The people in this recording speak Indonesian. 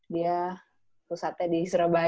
dia pusatnya di surabaya